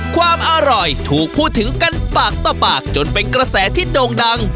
ความอร่อยถูกพูดถึงกันปากต่อปากจนเป็นกระแสที่โด่งดัง